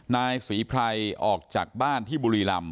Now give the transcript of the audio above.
นายสวิพัยออกจากบ้านที่บุรีลำ